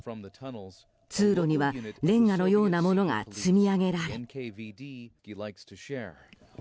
通路にはレンガのようなものが積み上げられ。